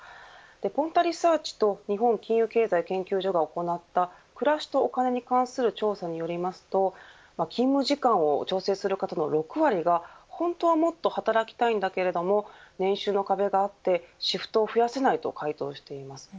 ポンタリサーチと日本金融経済研究所が行った暮らしとお金に関する調査によると勤務時間を調整する方の６割が本当はもっと働きたいけれど年収の壁があってシフトを増やせないと回答しています。